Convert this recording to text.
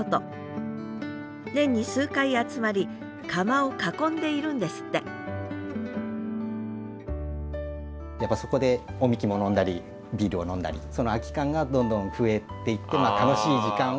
年に数回集まり窯を囲んでいるんですってやっぱそこでお神酒も飲んだりビールを飲んだりその空き缶がどんどん増えていって楽しい時間をその。